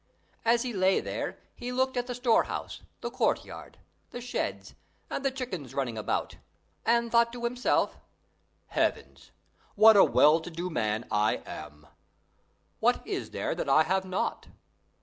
As he lay there, he looked at the storehouse, the courtyard, the sheds, the chickens running about, and thought to himself, "Heavens! What a well to do man I am! What is there that I have not?